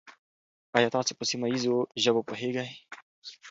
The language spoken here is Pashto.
آیا تاسو په سیمه ییزو ژبو پوهېږئ؟